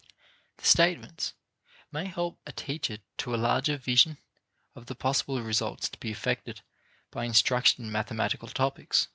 The statements may help a teacher to a larger vision of the possible results to be effected by instruction in mathematical topics.